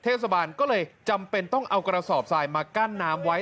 เทศบาลก็เลยจำเป็นต้องเอากระสอบทรายมากั้นน้ำไว้